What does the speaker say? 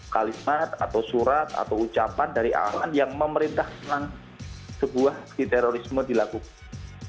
kalimat atau surat atau ucapan dari aman yang memerintahkan sebuah di terorisme dilakukan